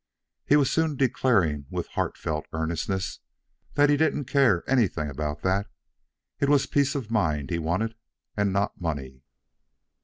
He was soon declaring with heartfelt earnestness that he didn't care anything about that. It was peace of mind he wanted, and not money.